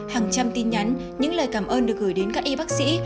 hàng trăm tin nhắn những lời cảm ơn được gửi đến các y bác sĩ